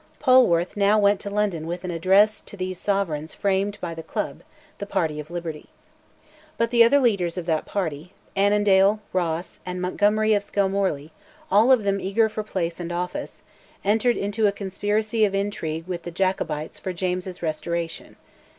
Polwarth now went to London with an address to these Sovereigns framed by "the Club," the party of liberty. But the other leaders of that party, Annandale, Ross, and Montgomery of Skelmorley, all of them eager for place and office, entered into a conspiracy of intrigue with the Jacobites for James's restoration.